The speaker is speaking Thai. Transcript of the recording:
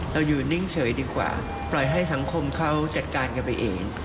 อยู่นิ่งเฉยดีกว่าปล่อยให้สังคมเขาจัดการกันไปเอง